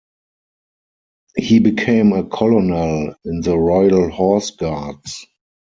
He became a colonel in the Royal Horse Guards.